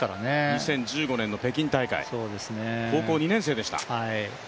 ２０１５年の北京大会、高校２年生でした。